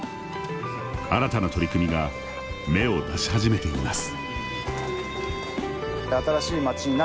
新たな取り組みが芽を出し始めています。